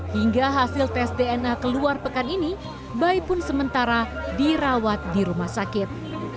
hingga hasil tes dna keluar pekan ini bayi pun sementara dirawat di rumah sakit